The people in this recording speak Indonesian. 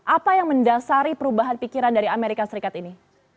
apa yang mendasari perubahan pikiran dari amerika serikat ini